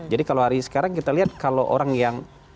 jadi kalau hari sekarang kita lihat kalau orang yang